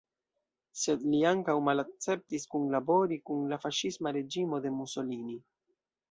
Sed li ankaŭ malakceptis kunlabori kun la faŝisma reĝimo de Mussolini.